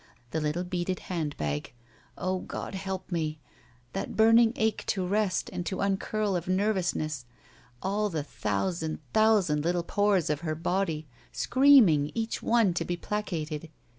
The little beaded hand bag. O God! help me! That burning ache to rest and to uncurl of nervotisness. All the thousand thousand little pores of her body, screaming each one to be placated.